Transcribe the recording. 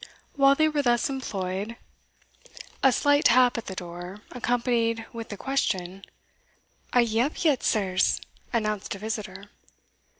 While they were thus employed, a slight tap at the door, accompanied with the question, "Are ye up yet, sirs?" announced a visitor.